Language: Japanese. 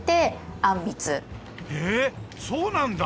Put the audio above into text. へえそうなんだ。